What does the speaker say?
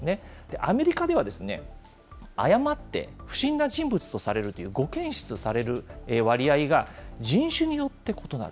アメリカではですね、誤って不審な人物とされるという誤検出される割合が、人種によって異なる。